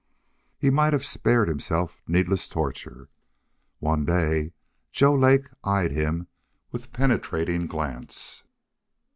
He might have spared himself needless torture. One day Joe Lake eyed him with penetrating glance.